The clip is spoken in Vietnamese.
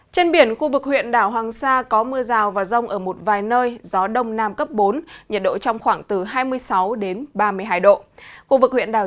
trên biển khu vực huyện đảo hoàng sa có mưa rào và rông ở một vài nơi gió đông nam cấp bốn nhiệt độ trong khoảng từ hai mươi sáu đến ba mươi hai độ